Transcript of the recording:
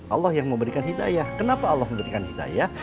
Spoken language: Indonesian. allah yang memberikan hidayah kenapa allah memberikan hidayah